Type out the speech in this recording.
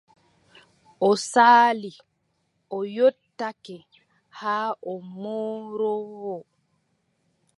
O saali, o yottake, haa o mooroowo.